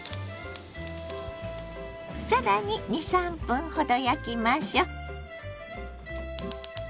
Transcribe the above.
更に２３分ほど焼きましょ。